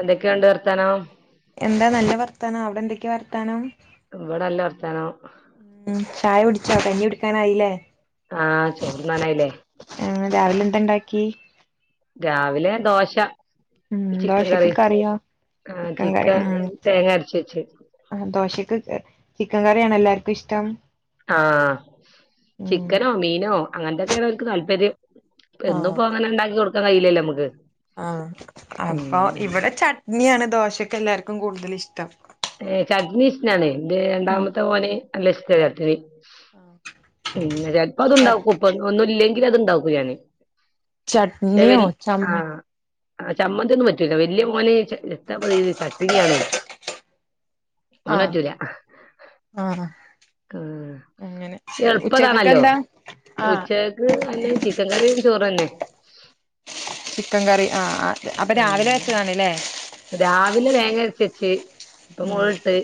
എന്തൊക്കെയുണ്ട് വർത്താനോ? എന്താ നല്ല വർത്താനം അവിടെ എന്തൊക്കെ വർത്താനം? ഇവെടല്ല വർത്താനം ഉം ചായ കുടിച്ചോ കഞ്ഞി കുടിക്കാനായില്ലേ? ആഹ ചോറ്ന്നാനായില്ലേ ഉം രാവിലെ എന്ത് ഉണ്ടാക്കി രാവിലെ ദോശ ഉം ചിക്കൻ ദോശക്ക് കറി കറിയോ ആ ചിക്കൻ കറി തേങ്ങ അരച്ച് വെച്ച് ഉ ദോശക്ക് ചിക്കൻ കറിയാണ് എല്ലാർക്കും ഇഷ്ടം ആ ഉം ചിക്കനോ മീനോ അങ്ങനത്തൊക്കെയണ അവർക്ക് താല്പര്യം ഇപ്പൊ എന്നിപ്പോ അങ്ങനെ ഉണ്ടാക്കി കൊടുക്കാൻ കഴയില്ലല്ലേ നമുക്ക് ആഹ അപ്പൊ ഉം. ഇവിടെ ചട്നിയാണ് ദോശൊക്കെ എല്ലാർക്കും കൂടുതൽ ഇഷ്ടം ചട്നി ഇഷണാണ് രണ്ടാമത്തെ മോന് നല്ല ഇഷ്ടാ ചട്ട്നി ഓ പിന്ന ചിലപ്പോ അത്ണ്ടാക്കും ഇപ്പൊ ഒന്നു ഇല്ലെങ്കിൽ അത്ണ്ടാക്കൂ ഞാന് ചട്നിയോ ശെവരി ചമ്മ ആഹ ആ ചമ്മന്ത്തി ഒന്നും പറ്റൂല വലിയ മോനെ എത്ത പീതിൽ ചട്ടണിയ ആണ് വെച്ചു ഓന് ആഹ് പറ്റൂല ആഹ് അങ്ങനെ ഉച്ചക്കൊക്കെ എപ്പതാണല്ലോ എന്താ ആഹ് ഉച്ചക്ക് അന്നെ ചിക്കൻ കറിയും ചോറും തന്നെ ചിക്കൻ കറി ആ അപ്പൊ രാവിലെ വെച്ചതണല്ലേ രാവിലെ തേങ്ങ അച്ച വെച്ച് ഇപ്പൊ ഉം മുളകിട്ട്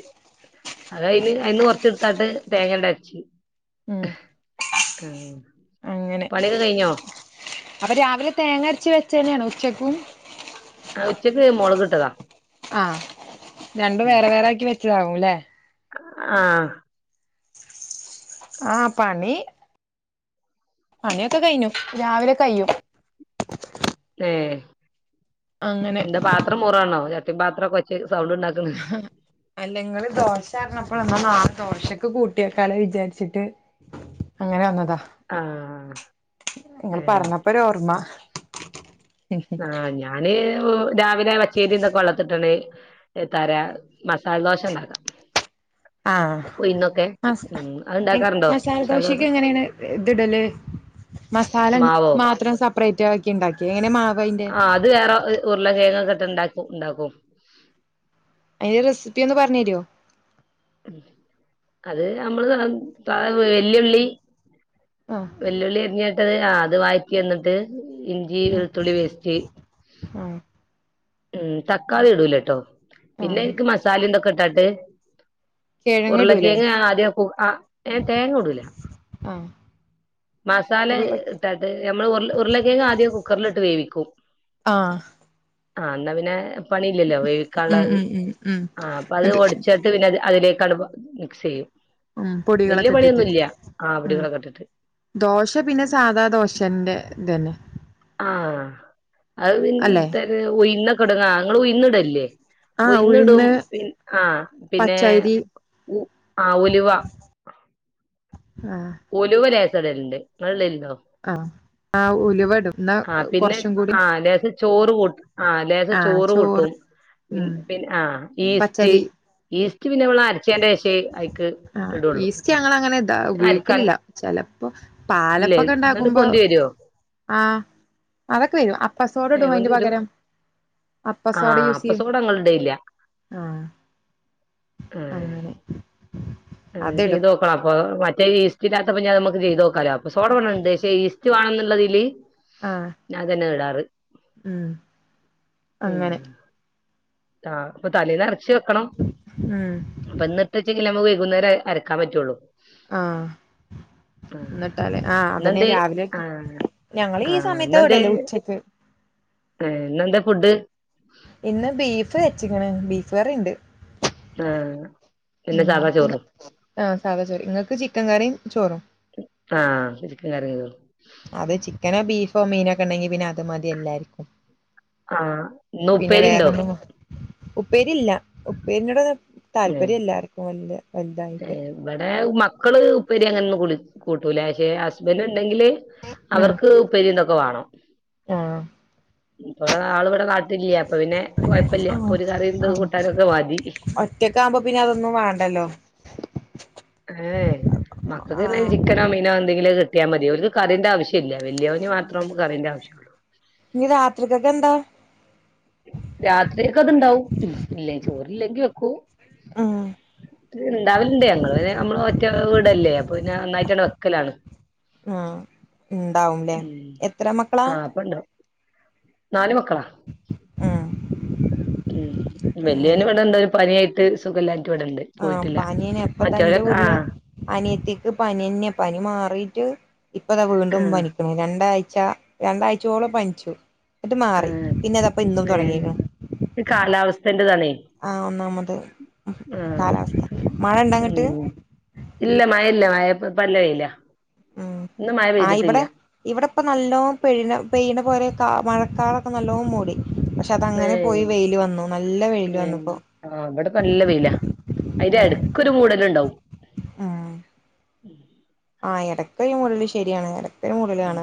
അത അതിന് അതിന്ന് കൊറച്ച എടുത്തായിട്ട് തേങ്ങയുടെ അച്ചി ഉം ആ അങ്ങനെ പണിയൊക്കെ കഴിഞ്ഞോ അപ്പൊ രാവിലെ തേങ്ങരച്ച വെച്ച തന്നെയാണ് ഉച്ചക്കും ആ ഉച്ചയ്ക്ക് മുളക് കിട്ടതാ ആഹ രണ്ട വേറെ വേറെ ആക്കി വെച്ചതാവുംല്ലേ ആഹ ആഹ് പണി പണിയൊക്കെ കഴിഞ്ഞു രാവിലെ കൈയ്യും ഏ അങ്ങനെ എന്താ പാത്രം മുറണോ ചട്ടി പാത്രം കൊച്ച സൗണ്ട് ഉണ്ടാക്കി അല്ലെങ്ങള് ദോശ ആരഞ്ഞപ്പോഴ എന്ന നാല്ത്തോഷക്ക് കൂട്ടിയേക്കാല വിചാരിച്ചിട്ട് അങ്ങനെ വന്നതാ ആഹ് നിങ്ങൾ ഏഹ് പറഞ്ഞപ്പോ ഒരു ഓർമ്മ ആ ഞാന് രാവിലെ വച്ചേരിന്തൊക്കെ കൊള്ളത്തിട്ടാണ് തരാ മസാലദോശ ഉണ്ടാക്കാം ആഹ ഉഴുന്നൊക്കെ ആ ഉം അത് എ ഇണ്ടാക്കാറുണ്ടോ മസാല ദോശ മസാലദോശക്ക് എങ്ങനെയാണ് ഇത് ഇടല് മസാല മാവോ മാത്രം സെപ്പറേറ്റ് ആക്കി ഉണ്ടാക്കി എങ്ങനെ അയിന്റെ ആ അത് വേറെ ഉരുള കേഴങ്ങൊക്കെട്ടെ ഇണ്ടാക്കും ഉണ്ടാക്കും അതിന്റെ റെസിപ്പി ഒന്ന് പറഞ്ഞു തരോ അത് നമ്മള് വെല്ലയുള്ളി ആഹ് വെല്ലുവിളി എഞ്ഞ [unintelligible] ത് ആ അത് വായിക്കി വന്നിട്ട് ഇഞ്ചി വെളുത്തുള്ളി വേസ് ആഹ് ഉം തക്കാളി ഇടൂല കേട്ടോ പിന്നെ ആഹ് എനിക്ക് മസാല എന്തൊക്കെ ഇട്ടാട്ട് കിഴങ്ങിടൂലേ ഉരുളക്കേങ്ങ ആദ്യം ആ തേങ്ങ ഇടൂല ആഹ് മസാല ഉരുളക്ക് ഇത് നമ്മൾ ഉരു ഉരുളക്കേങ്ങ ആദ്യം കുക്കറിലിട്ട് വേവിക്കും ആഹ ആ എന്നാ പിന്നെ പണിയില്ലല്ലോ ഉം വേവിക്കാനുള്ളത് ഉം ഉം ഉം ആ അപ്പൊ അത് എന്നിട്ട് ഓടിച്ചിട്ട് പിന്നെ അതിലേക്ക് കടുവ മിക്സ് ചെയ്യും ഉം വല്യ പൊടികളൊക്കെ ഇട്ടിട്ട് പണിയൊന്നുല്ല ആ ഉം പൊടികളൊക്കെ ഇട്ടിട്ട് ദോശ പിന്നെ സാധാ ദോശന്റെ ഇതു തന്നെ ആഹ അത് അല്ലെ പിന്ത ഒയന്ന കെടുങ്ങ അങ്ങ ഉയന്നിടല്ലേ ആഹ് ഒയിന്നിടും ഉഴുന്ന് പി ആഹ പിന്നെ പച്ചരി ആ ഉലുവ ആഹ് ഉലുവ ലേസം ഇടല്ണ്ട് ഇങ്ങള് ഇട ആഹ് ആഹ് ഉലുവ ഇടും എന്നാ ആഹ് പിന്നെ കൊറച്ചും കൂടി ലേസം ചോറ് ആഹ് [unintelligible] ചോറ് കൂട്ടും ഉം ആ ഈസ്റ്റ് പച്ചരി ഈസ്റ്റ് പിന്നെ നമ്മള അരച്ചേന്റെ ശേഷേ അയ്ക്ക് ഇടോള്ളൂ ഇല്ലല്ല ചെലപ്പോ പാലപ്പൊക്കെ ഇന്നട്ട് ഉണ്ടാക്കുമ്പോ പൊന്തി വരോ ആഹ് അതൊക്കെ വരും അപ്പസോട ഏ ഇടും അയിന്റെ പൊന്തി വരും പകരം ആ അപ്പസോട യൂസ് അപ്പ ചെയ്യും സോഡ ഇങ്ങളിടലില്ല ആഹ് ഏ അങ്ങനെ അതിടും ചെയ്ത് നോക്കണപ്പൊ ഇസ്റ്റില്ലാത്തപ്പോ ഞാൻ ഇതിമ്മക്ക് ചെയ്ത് നോക്കാലോ അപ്പസോഡാ ഇവടെണ്ട് ക്ഷേ ഈസ്റ്റ് വാണ ന്ന്ള്ളതില് ആഹ് ഞാതന്നെ ഇടാറ് ഉം അങ്ങനെ ആ് ഇപ്പൊ തലേന്ന്റച്ച വെക്കണം ഉം പ്പൊ ഇന്നിട്ട് ച്ചങ്കിൽ ഞമ്മക്ക് കുന്നേരം അരക്കാൻ പറ്റൊള്ളൂ ഇന്നിട്ടാലേ ആഹ അതന്നെ രാവിലെ ഇട്ട ആഹ് ഞങ്ങള് ഈ സമയത്ത ഇടല് ഉച്ചക്ക് ന്നെന്താ ഫുഡ് ഇന്ന് ബീഫ് വെച്ചിങ്ങണ് ബീഫ് കറിണ്ട് ഉം ഉം ആ സാധാ ചോറ് ഇങ്ങക്ക് ചിക്കൻ കറീം ചോറും ആഹ [unintelligible] ണ്ടെങ്കി പിന്നെ അത് മതി എല്ലാര്ക്കും ആഹ് ഇന്ന് പിന്നെ ഉപ്പേരി വേറെ ഉണ്ടോ ഒന്നും ഉപ്പേരി ഇല്ല ഉപ്പേരിനോടൊന്നും ഏഹ് താല്പര്യല്ല ആർക്കും വല്യ വലുതായിട്ട് ഏഹ് ഇവിടെ മക്കള് ഉപ്പേരി അങ്ങനൊന്നും കുളി കൂട്ടൂല പക്ഷെ ഹസ്ബന്റ് ഉണ്ടെങ്കിൽ ഉം അവർക്ക് ഉപ്പേരി ഇതൊക്കെ വാണം ആഹ് ഇപ്പള് ആൾ ഇവിടെ നാട്ടില്ല്യ അപ്പ പിന്നെ കൊഴപ്പില്ല അപ്പൊ ആഹ് പിന്നെ ഒരു കറിതും കൂട്ടാനൊക്കെ മതി കുട്ട്യേക്ക് ആവുമ്പോ പിന്നെ അതൊന്നും വാണ്ടല്ലോ ഏഹ മക്കക്ക് ആഹ് [inaudible] ചിക്കനോ മീനോ എന്തെങ്കിലൊക്കെ കിട്ടിയാ മതി ഒർക്ക് കറിന്റെ ആവശ്യമില്ല വെല്യോൻ മാത്രം കറിന്റെ ആവശ്യള്ളു ഇനി രാത്രിക്കൊക്കെ എന്താ രാത്രിയക്കെ അത്ണ്ടാവും ഇല്ലേയ് ചോറല്ലെങ്കി വെക്കൂ ഉം ണ്ടാവല്ണ്ട് ഞങ്ങള് നമ്മള് ഒറ്റ വീടല്ലേ പിന്നെ ഒന്നായിറ്റണ്ട് വെക്കലാണ് ആ ഉണ്ടാവുംല്ലേ ഉം എത്ര മക്കളാ ആഹ് അപ്പണ്ടാവും നാല് മക്കളാ ഉം ഉം വെല്യ ഓൻ അങ്ങനെ ഇവടെ ഇണ്ട് പനായിട്ട് സുഖല്ല ആ പനിയെന്നെ ഇപ്പ ന്റെ വീട്ടില് ആഹ് അനിയത്തിക്ക് പനിന്നെ പനി മാറി [unintelligible] ഇപ്പതാ വീണ്ടും ആഹ് പനിക്കണ് രണ്ടാഴ്ച രണ്ടാഴ്ചോളം പനിച്ചു ന്ന്ട്ട് മാറി ആഹ് പിന്നെ തപ്പൊ ഇന്നും ഏഹ് തൊടങ്ങിക്ക്ണ് ഈ [inaudible] കാലാവസ്ഥ മഴ ഇണ്ടാ അങ്ങട്ട് ഇല്ല മഴ ഇല്ല മഴ ഇപ്പം നല്ല വെയില ഉം ഇന്ന് മഴ ആ ഇവടെ പെയ്തിട്ടില്ല ഇവിടെപ്പ നല്ലോ പെഴ പെയണ പോല മഴക്കാറോക്കെ നല്ലോ മൂടി പക്ഷെ അത അങ്ങനെ ഏഹ് പോയി വെയില് വന്നു നല്ല വെയില് വന്നുപ്പോൊ അതിന്റെ എടക്കൊരു മൂടല് ഇണ്ടാവും ആ ഉം ആഹ എടക്കൊരു മുടൽല് ശെര്യാണ് എ ടക്കൊരു മുടൽ കാണ ഉം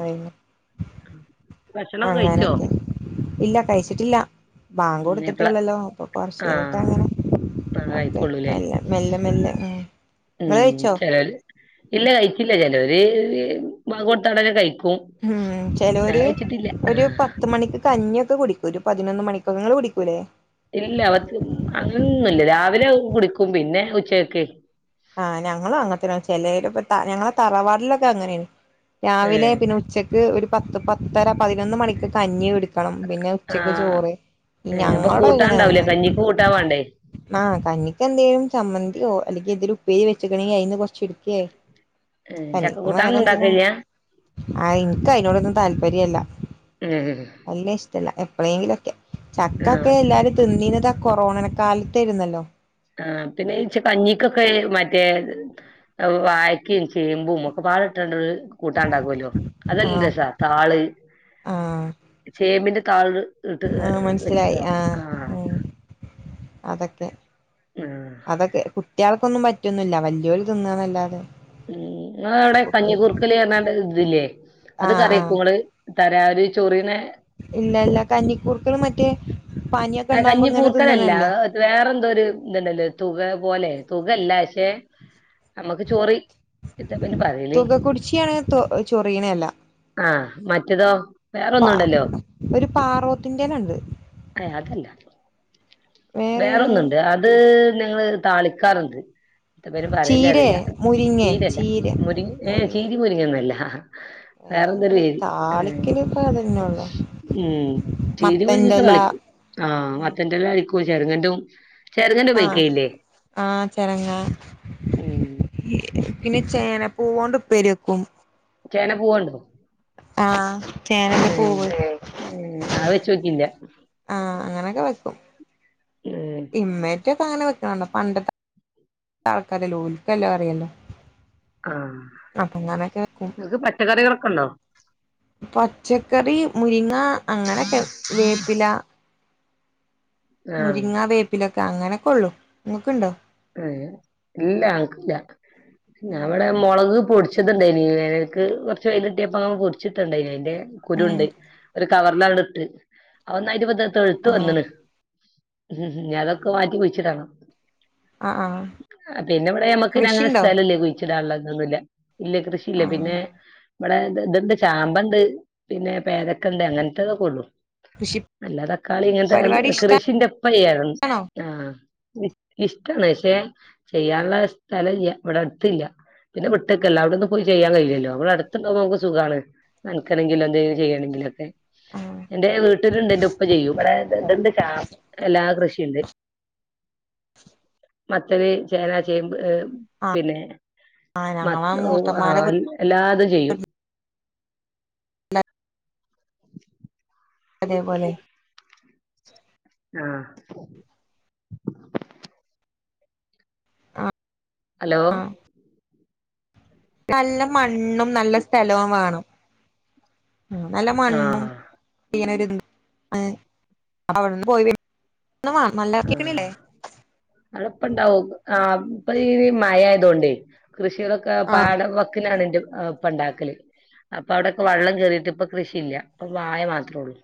[unintelligible] ഭക്ഷണൊക്കെ കഴിച്ചോ? ഇല്ല കഴിച്ചിട്ടില്ല ബാങ്ക് ഉം എപ്പളാ കൊടുത്തിട്ടേള്ളല്ലോ അപ്പൊ ആഹ് കൊറചഴിഞ്ഞിട്ടങ്ങനെ ആഹ് ഒക്കെ കഴിക്കൊള്ളൂല്ലേ മെല്ലെ മെല്ലെ മെല്ലെ ഇങ്ങള് കഴിച്ചോ ഇല്ല ചിലര് കഴിക്കില്ല ചിലർ കൊടുത്ത ഉടനെ കഴിക്കും ഉം ഞാൻ ചിലര് കഴിച്ചിട്ടില്ല ഒരു ആഹ് പത്ത് മണിക്ക് കഞ്ഞിയൊക്കെ കുടിക്കും ഒരു പതിനൊന്ന് മണിക്കൊക്കെ നിങ്ങള് കുടിക്കൂല്ലേ ഇല്ല അവ അങ്ങനൊന്നുല്ല രാവിലെ കുടിക്കും പിന്നെ ഉച്ചക്ക് ആ ഞങ്ങളും അങ്ങന തന്നെ ചില ഇപ്പ ത ഞങ്ങളെ തറവാടിലൊക്കെ അങ്ങനെയാണ് രാവിലെ ഏഹ് പിന്നെ ഉച്ചക്ക് ഒരു പത്ത് പത്തര പതിനൊന്ന് മണിക്കൊക്കെ കഞ്ഞി കുടിക്ക് ക്കണം പിന്നെ ഉച്ചക്ക് ആഹ് ചോറ് ഏഹ് അപ്പൊ ഞങ്ങളോട് ഇങ്ങനെയ കൂട്ടാണ്ടാവൂലേ തിന്ന കഞ്ഞിക്ക് കൂട്ടാൻ വാണ്ടേ ആ കഞ്ഞി എന്തങ്കിലും ചമ്മന്തിയോ അല്ലെങ്കിൽ എന്തരു ഉപ്പേരി വെച്ചക്കണെങ്കി അതിന്ന് കൊറച്ച് എടുക്കയേ ഏഹ് പനിക്കും ചക്കക്കൂട്ടാൻ വേറെ എന്തലും ഉണ്ടാക്കലില്ല ആ എനിക്ക് അയിനൊടൊന്നും താല്പര്യല്ല ഉം ഐല ഇഷ്ടമല്ല എ എപ്പഴേങ്കിലൊക്കെ ചക്ക ഒക്കെ ആഹ് എല്ലാരും തിന്നത് കൊറോണ കാലത്തായിരുന്നല്ലോ ആ പിന്നെ ജ്ജ് കഞ്ഞിക്കൊക്കെ മറ്റേ വായക്കയും ചേമ്പും ഒക്കെ [unintelligible] കൂട്ടാനുണ്ടാക്കല്ലോ അത് നല്ല ആഹ് രസാ താള് ചേമ്പിന്റെ താള് ഇട്ട് ആഹ മനസ്സിലായി വെച്ചിട്ടോ ആഹ ആഹ് ഉം അതൊക്കെ ആഹ് അതൊക്കെ കുട്ട്യാക്കൊന്നും പറ്റൊന്നുല്ല. വലിയവർ തിന്ന എന്നല്ലാതെ ങ്ങടെ അവിടെ കഞ്ഞിക്കൂർക്കല് ന്നൊരു ഇതില്ലേ അത് ആഹ് കറിയാക്കോ ങ്ങൾ തര ആ ഒരു ചൊറിണെ ഇല്ലല്ല കന്നിക്കൂർക്കളും മറ്റേ പനിയൊക്കെ ആ ഉണ്ടാവുമ്പോ ഇങ്ങനെ കഞ്ഞിക്കൂർക്കലല്ല തിന്നണല്ലേ വേറെന്തോ ഒരു ഇതുണ്ടല്ലോ തുക പോലെ തുകല്ല പക്ഷെ നമ്മുക്ക് ചോറി എന്താപ്പന്നെ പറെല് തുക കുടിച്ചിയാണ് തൊ ചൊറിയണല്ല ആഹ മറ്റേതോ പ വേറെന്നുംണ്ടല്ലോ ഒരു പാറോത്തിന്റെലണ്ട് അത് വേറെ വേറൊന്നുണ്ട് അത് ഞങ്ങള് താളിക്കാറുണ്ട് എന്താ പേര് പറയണേ ചീരേ എന്നറിയില്ല മുരിങ്ങേ ചീര അല്ല ഏ ചീര മുരിങ്ങ ഒന്നുമല്ല വേറെ നമ്മടെ താളിക്കല് ഇപ്പ അതന്നള്ളോ ഉം ചീനി പുഴുങ്ങിയിട്ട് താളിക്കും ആഹ് മത്തന്റെല താളിക്കും ചെരങ്ങന്റെ ആഹ ഉപയോഗിക്കലില്ലേ ആഹ ചെരങ്ങ ഉം പിന്നെ ചേന പൂവൊണ്ട് ഉപ്പേരി വെക്കും ചേനപ്പൂവോണ്ടോ? ആഹ് ചേനന്റെ പൂവ് ആ വെച്ചോക്കിട്ടില്ല ആഹ് അങ്ങനൊക്കെ വെക്കും ഇമ്മേക്കെ അങ്ങനെ വെക്കണണ്ടോ പണ്ടത്തെ ആൾക്കാരല്ല ഓലിക്കല്ലോ അറിയല് ആഹ നിങ്ങക്ക് പച്ചക്കറികളൊക്കെ ഉണ്ടോ പച്ചക്കറി മുരിങ്ങ അങ്ങനെക്കെ, വേപ്പില ആഹ് മുരിങ്ങ വേപ്പിലൊക്കെ അങ്ങനെയൊക്കെ ഉള്ളു. നിങ്ങൾക്കുണ്ടോ? ഇല്ലല്ല ഞങ്ങൾക്ക് ഇല്ല ഉം ഇവിടെ മുളക് പൊടിച്ചു പൊടിച്ചിട്ടുണ്ടായിരുന്നു. വേനൽക്ക് കുറച്ചു വെയിലു കിട്ടിയപ്പോൾ അങ്ങ് പൊടിച്ചിട്ടുണ്ടായിരുന്നു അതിന്റെ ഉം കുരുണ്ട് കവറിലണ്ട് ഇട്ട് ഒന്നായിട്ട് ഇപ്പോൾ തെളിർത് വന്നിന് ഉ അതൊക്കെ മാറ്റി കുഴിച്ചിടണം ആഹ് ആഹ് പിന്നെ ഇവിടെ നമ്മക്ക് അങ്ങനെ കൃഷിണ്ടോ സ്ഥലല്ല കുഴിച്ചി ഇതോന്നുമല്ല ഇല്ല കൃഷിയില്ല ആഹ് പിന്നെ ഇമ്മടെ ഇതുണ്ട് ചാമ്പ ഉണ്ട് പിന്നെ പേരക്കണ്ട് അങ്ങനത്തെതൊക്കെ ഉള്ളു കൃഷി അല്ലാതെ തക്കാളി പരിപാടി ഇങ്ങനത്തെല്ല ഇഷ്ടാണോ കൃഷി ന്റെപ്പ ചെയ്യാരുന്നു ആ ഇഷ്ടമാണ് പക്ഷെ ചെയ്യാനുള്ള സ്ഥലം ഇല്യ ഇവിടെ അടുത്തില്ല പിന്നെ വിട്ട് നിക്കല്ലേ അവിടെന്ന പോയി ചെയ്യാൻ കഴയില്ലല്ലോ അവിടുണ്ടോ നമുക്ക് സുഖാണ് നനക്കണമെങ്കിൽ എന്തെങ്കിലുംചെയ്യണമെങ്കിലൊക്കെ ആഹ് എന്റെ വീട്ടിലുണ്ടന്റെ ഉപ്പ ചെയ്യും എല്ലാ കൃഷിയും മത്തന് ചേന ചേമ്പ് ഏ പിന്നെ ആഹ് ഞങ്ങളെ മൂത്തമ്മാരെ [unintelligible] എല്ലാതും ചെയ്യും അതെപോലെ ആ ആഹ് ഹലോ ആഹ് നല്ല മണ്ണും നല്ല സ്ഥലവും വേണം നല്ല മണ്ണും ആഹ് [unintelligible] ഇങ്ങനെ [unintelligible] അവിടെന്ന് പോയി വര ആഹ അടെപ്പണ്ടാവും ആ ഇപ്പ മയയായതോണ്ട് കൃഷിയിടൊക്കെ ആഹ് പാട വക്കിനാണന്റെ ഇപ്പ ഉണ്ടാക്കല് അപ്പൊ അവിടെക്കെ വെള്ളം കേറിയിട്ട് ഇപ്പൊ കൃഷിയില്ല അപ്പൊ വായ മാത്രേ ഉള്ളൂ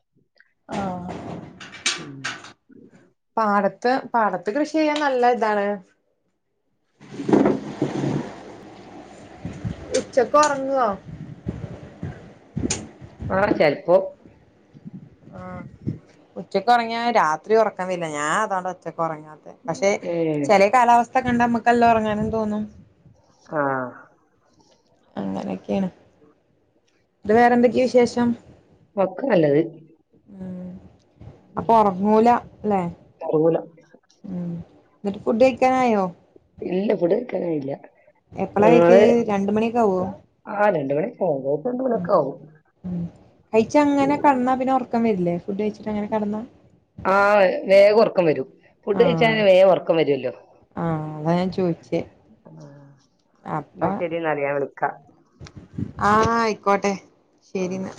ആഹ് ഉം ഇന്ന് പാടത്ത് കൃഷി ചെയ്യാൻ നല്ല ഇതാണ് ഉച്ചക്ക് ഉറങ്ങോ ആഹ ചെൽപ്പോ ആഹ ഉച്ചക്ക് ഒറങ്ങിയ രാത്രി ഉറക്കംവരില്ല ഞാൻ അതാണ്ട് ഉച്ചക്ക് ഒറങ്ങാത്തെ പക്ഷെ ഏഹ് ചെല കാലാവസ്ഥ കണ്ട നമ്മുക്ക് എല്ലാം ഒറങ്ങാനും തോന്നും ആഹ അങ്ങനെക്കെണ് അത് വേറെന്തൊക്കെയ വിശേഷം ഒക്കെ നല്ലത് ഉം അപ്പൊ ഒറങ്ങൂല ലെ അറിയൂല ഉം എന്നിട്ട് ഫുഡ് കഴിക്കാനായോ ഇല്ല ഫഡ്കഴിക്കാൻ ആയില്ല എപ്പളാ കഴിക്കല് രണ്ട് മണിയൊക്കെ ആവോ അത് ആണ് ഉം ഉം കഴിച്ച അങ്ങനെ കെടന്ന പിന്നെ ഉറക്കം വരില്ലേ ഫുഡ് കഴിച്ചിട്ട് അങ്ങനെ കടന്നാ ആഹ വേഗം ഒറക്കം വരും ഫുഡ് കഴിച്ച ആഹ് വേഗം ഒറക്കം വരുല്ലോ ആഹ് അതാ ഞാൻ ചോദിച്ചേ എന്ന അപ്പൊ ശരി എന്നാല് ഞാൻ വിളിക്ക ആഹ ആയിക്കോട്ടെ ആഹ് ശരിന്നാ